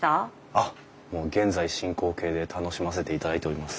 あっもう現在進行形で楽しませていただいております。